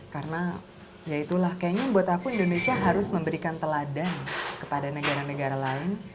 karena ya itulah kayaknya buat aku indonesia harus memberikan teladan kepada negara negara lain